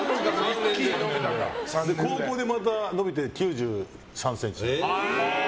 高校でまた伸びて９３ｃｍ。